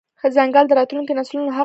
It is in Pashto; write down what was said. ځنګل د راتلونکو نسلونو حق دی.